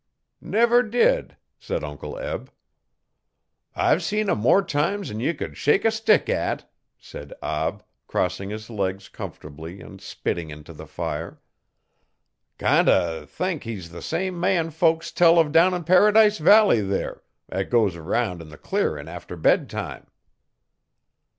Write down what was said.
'Never did,' said Uncle Eb. 'I've seen 'im more times 'n ye could shake a stick at,' said Ab crossing his legs comfortably and spitting into the fire. 'Kind o' thank he's the same man folks tells uv down 'n Paradise Valley there 'at goes 'round 'n the clearin' after bedtime.'